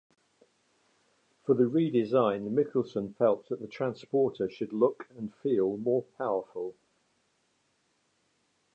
For the redesign Michelson felt that the transporter should look and feel more powerful.